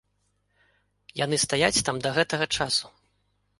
Яны стаяць там да гэтага часу.